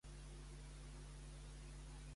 I què ha explicat Xavier Domènech sobre l'executiu?